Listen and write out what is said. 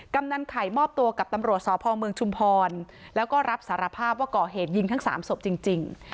กำนันไข่มอบตัวกับตำรวจสพเมืองชุมพรแล้วก็รับสารภาพว่าก่อเหตุยิงทั้งสามศพจริง